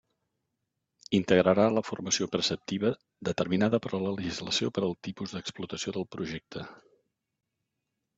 Integrarà la formació preceptiva determinada per la legislació per al tipus d'explotació del projecte.